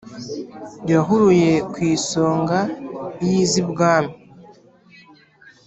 yahuruye ku isonga y'iz'ibwami